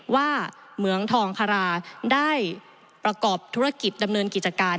เหมืองทองคาราได้ประกอบธุรกิจดำเนินกิจการ